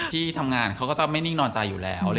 ที่ทำงานเขาก็จะไม่นิ่งนอนใจอยู่แล้ว